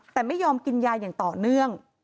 แต่ไม่ยอมกินยาอย่างต่อเนื่อง